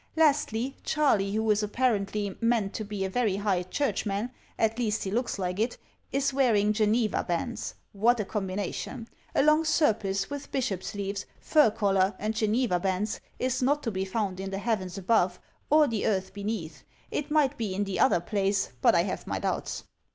Lastly, Charley, who is apparently meant to be a very high churchman, at least he looks like it, is wearing Geneva bands! What a combination! A long surplice with bishop sleeves, fur collar, and Geneva bands is not to be found in the heavens above or the earth beneath — ^it might be in the other place, but I have my doubts.